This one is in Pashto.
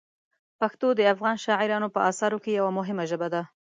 پښتو د افغان شاعرانو په اثارو کې یوه مهمه ژبه ده.